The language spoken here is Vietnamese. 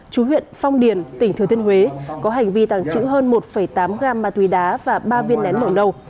chú huyện phong điền tỉnh thừa thiên huế có hành vi tàng trữ hơn một tám gam ma túy đá và ba viên nén màu nâu